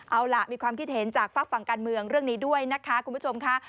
เอาล่ะมีความคิดเห็นจากฝากฝั่งการเมืองเรื่องนี้ด้วยนะคะคุณผู้ชมค่ะ